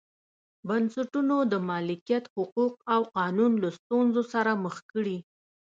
بنسټونو د مالکیت حقوق او قانون له ستونزو سره مخ کړي.